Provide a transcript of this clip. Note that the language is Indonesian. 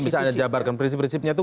bisa anda jabarkan prinsip prinsipnya itu